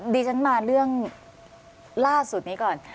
ดิฉันมาเรื่องล่าสุดนี้ก่อน